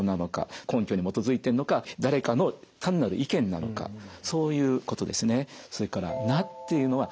根拠に基づいてるのか誰かの単なる意見なのかそういうことですね。